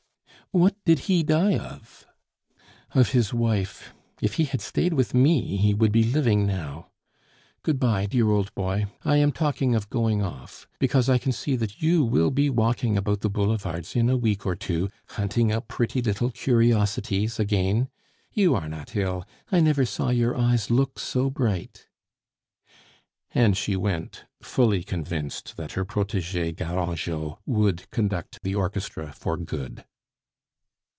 "What did he die of?" "Of his wife. If he had stayed with me, he would be living now. Good bye, dear old boy, I am talking of going off, because I can see that you will be walking about the boulevards in a week or two, hunting up pretty little curiosities again. You are not ill; I never saw your eyes look so bright." And she went, fully convinced that her protege Garangeot would conduct the orchestra for good.